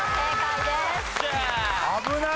危ない！